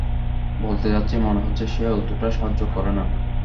বলতে চাচ্ছি, মনে হচ্ছে সে অতোটা সাহায্য করে না।